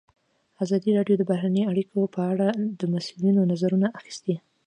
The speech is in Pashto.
ازادي راډیو د بهرنۍ اړیکې په اړه د مسؤلینو نظرونه اخیستي.